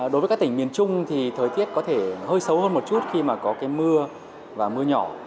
đối với các tỉnh miền trung thì thời tiết có thể hơi xấu hơn một chút khi mà có cái mưa và mưa nhỏ